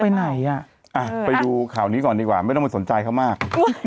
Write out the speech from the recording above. กูน้องไปไหนอ่ะอ่ะไปดูข่าวนี้ก่อนดีกว่าไม่ต้องมาสนใจเขามาก